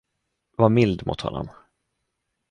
Var mild mot honom.